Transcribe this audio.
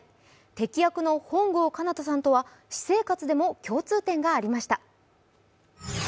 敵役の本郷奏多さんとは私生活でも共通点がありました。